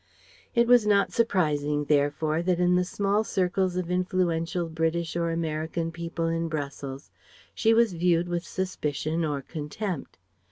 It was not surprising therefore that in the small circles of influential British or American people in Brussels she was viewed with suspicion or contempt.